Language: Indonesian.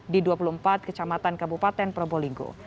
di dua puluh empat kecamatan kabupaten probolinggo